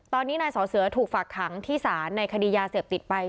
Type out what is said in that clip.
ตอนนี้นายสอเสือถูกฝากขังที่ศาลในคดียาเสพติดไป